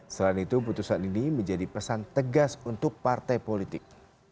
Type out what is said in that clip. selain itu putusan ini menjadi pesan tegas untuk partai politik